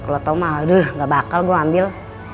lo tau mah aduh gak bakal gue ambil